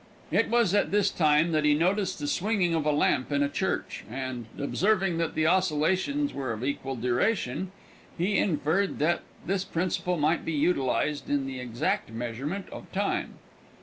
It was at this time that he noticed the swinging of a lamp in a church, and, observing that the oscillations were of equal duration, he inferred that this principle might be utilized in the exact measurement of time.